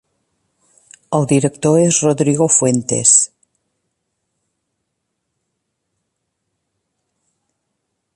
El director és Rodrigo Fuentes.